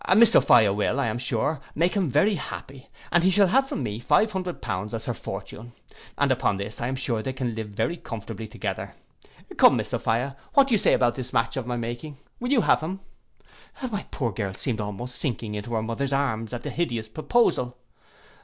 Miss Sophia will, I am sure, make him very happy, and he shall have from me five hundred pounds as her fortune, and upon this I am sure they can live very comfortably together. Come, Miss Sophia, what say you to this match of my making? Will you have him?'—My poor girl seemed almost sinking into her mother's arms at the hideous proposal.